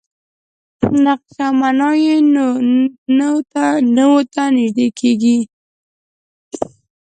نقش او معنا یې نو ته نژدې کېږي.